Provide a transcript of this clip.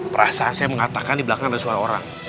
perasaan saya mengatakan di belakang ada suara orang